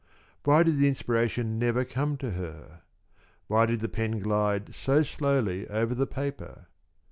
Why did the inspiration never come to her? Why did the pen glide so slowly over the paper?